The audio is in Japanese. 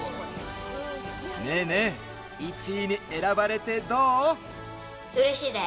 ねえねえ１位に選ばれてどう？